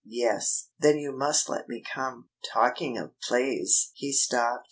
"Yes." "Then you must let me come. Talking of plays " He stopped.